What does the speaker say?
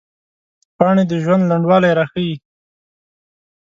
پاڼې د ژوند لنډوالي راښيي